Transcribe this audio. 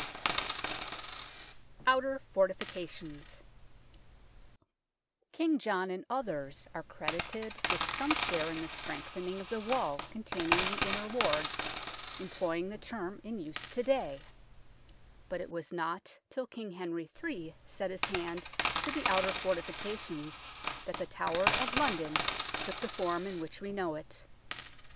i8 THE TOWER OF LONDON OUTER FORTIFICATIONS King John and others are credited with some share in the strengthening of the wall containing the Inner Ward, employing the term in use to day ; but it was not till King Henry III set his hand to the outer fortifica tions that the Tower of London took the form in which we know it.